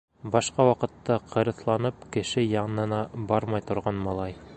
Башҡа ваҡытта ҡырыҫланып, кеше янына бармай торған малай: